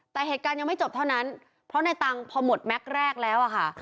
แต่เหตุการณ์ยังไม่จบเท่านั้นเพราะในตังค์พอหมดแม็กซ์แรกแล้วอะค่ะ